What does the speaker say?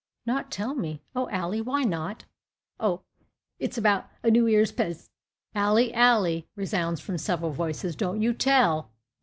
"Not tell me! O Ally! Why not?" "O, it's about a New 'Ear's pes " "Ally, Ally," resounds from several voices, "don't you tell."